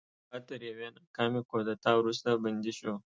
هغه تر یوې ناکامې کودتا وروسته بندي شو.